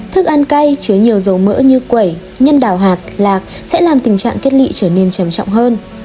thức ăn cay chứa nhiều dầu mỡ như quẩy nhân đào hạt lạc sẽ làm tình trạng kết lị trở nên trầm trọng hơn